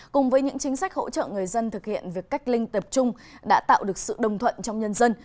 cùng với những chính sách hỗ trợ người dân thực hiện việc cách ly tập trung đã tạo được sự đồng thuận trong nhân dân